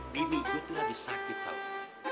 gini gue tuh lagi sakit tau